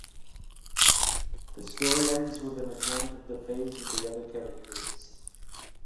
The story ends with an account of the fate of the other characters.